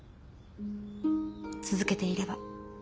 続けていれば。